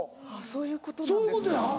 そういうことや。